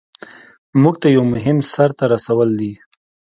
مونږ ته یو مهم سر ته رسول دي.